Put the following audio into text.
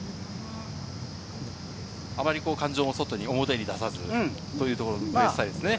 あまり感情も表に出さずというところですね。